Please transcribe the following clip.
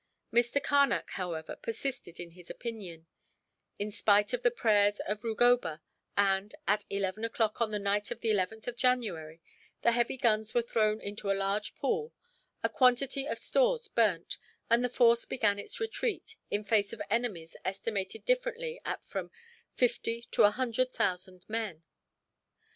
Mr. Carnac, however, persisted in his opinion, in spite of the prayers of Rugoba and, at eleven o'clock on the night of the 11th of January, the heavy guns were thrown into a large pool, a quantity of stores burnt, and the force began its retreat, in face of enemies estimated differently at from fifty to a hundred thousand men.